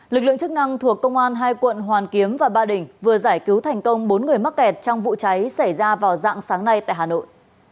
lực lượng chức năng thuộc công an hai quận hoàn kiếm và ba đình vừa giải cứu thành công bốn người mắc kẹt trong vụ cháy xảy ra vào dạng sáng nay tại hà nội